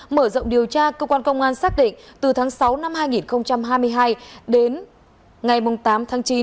mở rộng điều tra cơ quan công an xác định từ tháng sáu năm hai nghìn hai mươi hai đến ngày tám tháng chín